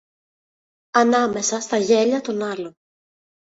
Ανάμεσα στα γέλια των άλλων